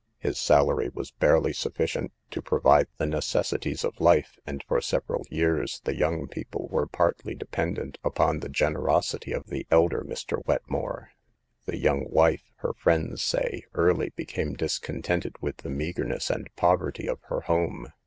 His salary was barely sufficient to provide the necessities of life, and for several years the young people were partly dependent upon the generosity of the elder Mr. Wetmore. The young wife, her friends say, early became discontented with the meagerness and poverty of her home.